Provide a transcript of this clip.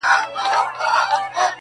• که هر څو مي درته ډېري زارۍ وکړې,